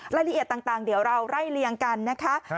รายละเอียดต่างเดี๋ยวเราไล่เลี่ยงกันนะคะ